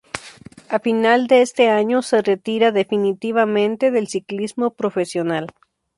A final de este año, se retira definitivamente del ciclismo profesional.